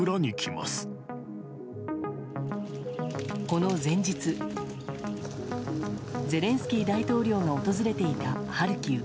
この前日ゼレンスキー大統領が訪れていたハルキウ。